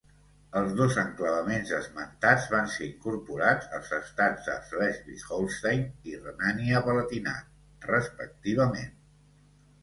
Els dos enclavaments esmentats van ser incorporats als estats de Slesvig-Holstein i Renània-Palatinat, respectivament.